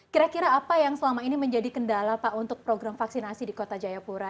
kira kira apa yang selama ini menjadi kendala pak untuk program vaksinasi di kota jayapura